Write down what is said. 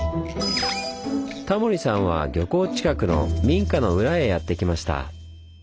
タモリさんは漁港近くの民家の裏へやって来ました。